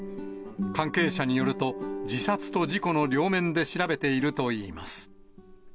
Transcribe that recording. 関係者によると、自殺と事故の両面で調べているといいます。